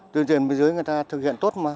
tuyên truyền dưới người ta thực hiện tốt mà